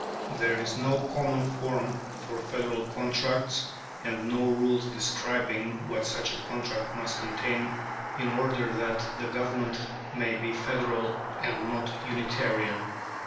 There is no common form for federal contracts, and no rules describing what such a contract must contain in order that the Government may be federal and not unitarian.